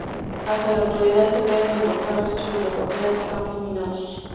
Hasta la actualidad, se pueden encontrar restos de las batallas y campos minados.